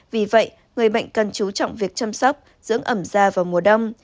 vì vậy người bệnh cần chú trọng việc chăm sóc dưỡng ẩm ra vào mùa đông